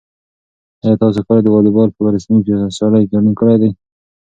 آیا تاسو کله د واليبال په یوه رسمي سیالۍ کې ګډون کړی دی؟